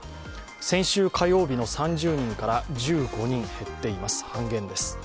先週火曜日の３０人から１５人減っています、半減です。